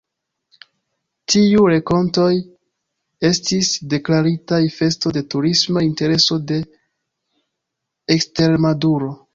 Tiuj renkontoj estis deklaritaj Festo de Turisma Intereso de Ekstremaduro.